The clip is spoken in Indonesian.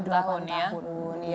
dua puluh delapan tahun ya